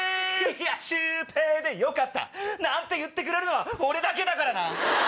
いやシュウペイでよかった！なんて言ってくれるのは俺だけだからな！